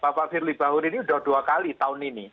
bapak firli bahuri ini udah dua kali tahun ini